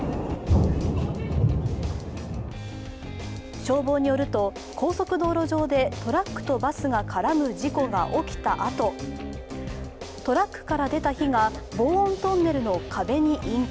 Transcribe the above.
消防によると、高速道路上でトラックとバスが絡む事故が起きたあとトラックから出た火が防音トンネルの壁に引火。